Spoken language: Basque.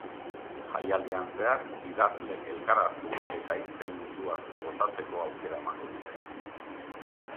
Jaialdian zehar, idazleek elkar hartu eta hitzen munduaz gozatzeko aukera emango dute.